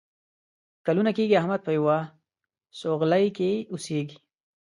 کلونه کېږي احمد په یوه سوغلۍ کې اوسېږي.